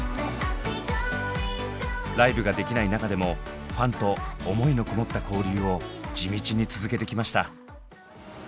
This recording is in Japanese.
ライブができない中でもファンと思いのこもった交流を地道に続けてきました。